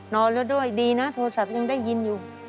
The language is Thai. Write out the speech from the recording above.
นอนแล้วด้วยดีนะโทรศัพท์ยังได้ยินอยู่